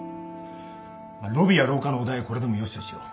まあロビーや廊下のお題はこれでもよしとしよう。